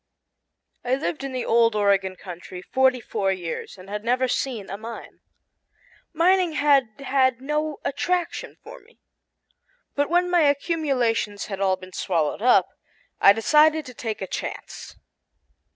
I had lived in the old Oregon country forty four years and had never seen a mine. Mining had had no attraction for me. But when my accumulations had all been swallowed up, I decided to take a chance.